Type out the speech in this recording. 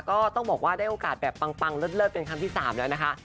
ก็ต้องบอกว่าได้โอกาสแบบปังเลิศเป็นครั้งที่๓แล้วนะคะ